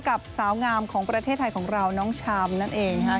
กับสาวงามของประเทศไทยของเราน้องชามนั่นเองนะครับ